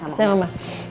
ini sama oma